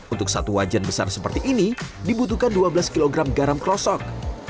untuk satu wajan besar seperti ini dibutuhkan dua belas kg garam klosok